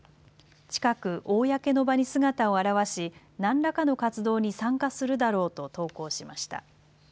近く公の場に姿を現し何らかの活動に参加するだろうと投稿しました。